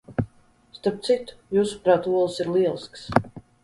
Starp citu, jūsuprāt, olas ir lieliskas!